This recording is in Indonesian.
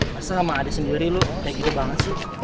masa sama adik sendiri lu kayak gitu banget sih